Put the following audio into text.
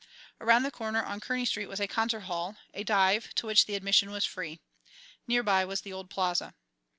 Around the corner on Kearney Street was a concert hall, a dive, to which the admission was free. Near by was the old Plaza.